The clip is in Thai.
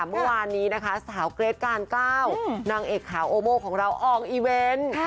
เมื่อวานนี้นะคะสาวเกรทการกล้านางเอกขาวโอโมของเราออกอีเวนต์